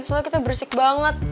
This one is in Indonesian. soalnya kita bersik banget